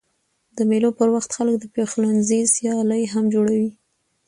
د مېلو پر وخت خلک د پخلنځي سیالۍ هم جوړوي.